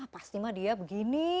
pasti mah dia begini